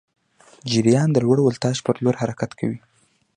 جریان د لوړ ولتاژ پر لور حرکت کوي.